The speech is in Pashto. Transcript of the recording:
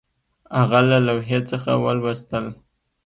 هغه له لوحې څخه ولوستل